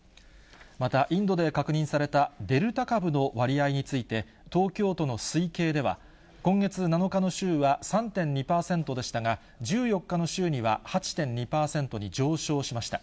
また、インドで確認されたデルタ株の割合について、東京都の推計では、今月７日の週は３．２％でしたが、１４日の週には、８．２％に上昇しました。